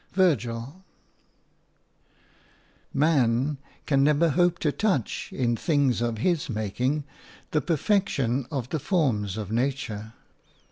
– VIRGIL MAN can never hope to touch, in things of his making, the perfection of the forms of nature.